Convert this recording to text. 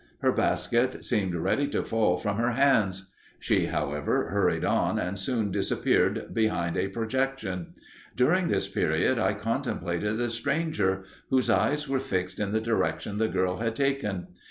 Her basket seemed ready to fall from her hands. She, however, hurried on, and soon disappeared behind a projection. During this period, I contemplated the stranger, whose eyes were fixed in the direction the girl had taken.